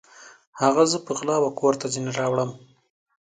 هغه زه په غلا وکور ته ځیني راوړم